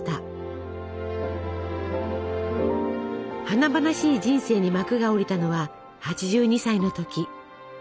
華々しい人生に幕が下りたのは８２歳の時。